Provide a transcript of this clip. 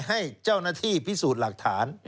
ให้เจ้าหน้าที่พิสูจน์หลักฐาน